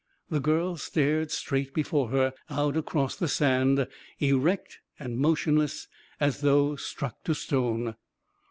The girl stared straight before her, out across the sand, erect and motionless, as though struck to stone.